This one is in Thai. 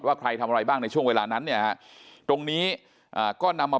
ว่าใครทำอะไรบ้างในช่วงเวลานั้นตรงนี้ก็นำมาเป็นหลักฐาน